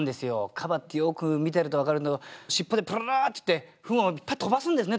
河馬ってよく見てると分かるんだけど尻尾でプルルッていって糞を飛ばすんですね